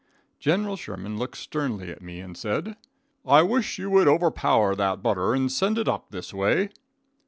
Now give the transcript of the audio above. General Sherman looked sternly at me and said: "I wish you would overpower that butter and send it up this way."